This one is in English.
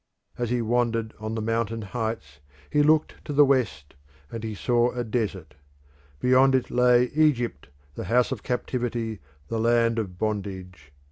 As he wandered on the mountain heights he looked to the west and he saw a desert: beyond it lay Egypt, the house of captivity, the land of bondage.